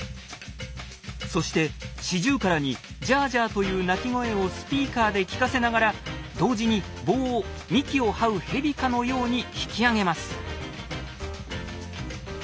そしてシジュウカラに「ジャージャー」という鳴き声をスピーカーで聞かせながら同時に棒を幹を這うヘビかのように引き上げます。